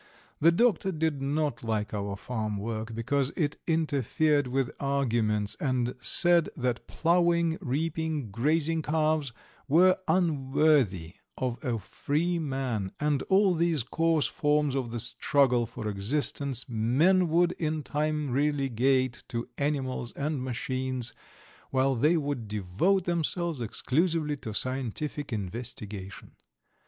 The doctor did not like our farmwork, because it interfered with arguments, and said that ploughing, reaping, grazing calves were unworthy of a free man, and all these coarse forms of the struggle for existence men would in time relegate to animals and machines, while they would devote themselves exclusively to scientific investigation.